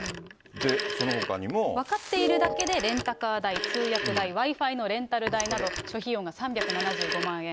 分かっているだけでレンタカー代、通訳代、Ｗｉ−Ｆｉのレンタル代など諸費用が３７５万円。